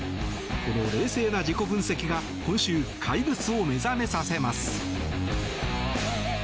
この冷静な自己分析が今週、怪物を目指せさせます。